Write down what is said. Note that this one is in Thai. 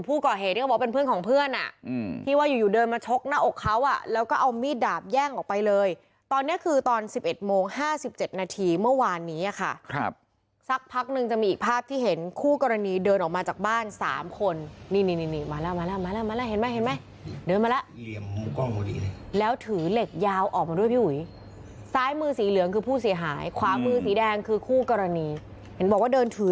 ถือมีดดาบจะไปซื้อข้าว